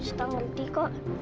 sita ngerti kok